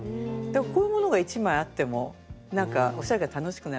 こういうものが１枚あってもなんかおしゃれが楽しくなると思いましたんで。